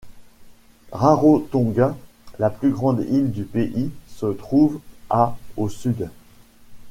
Rarotonga, la plus grande île du pays, se trouve à au sud.